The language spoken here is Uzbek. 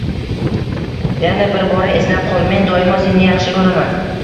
Yana bir bora eslab qol, men doimo seni yaxshi ko‘raman.